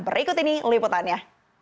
berikut ini liputannya